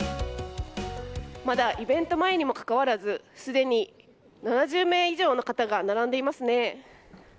まだイベント前にもかかわらずすでに７０名以上の方が並んでいますね。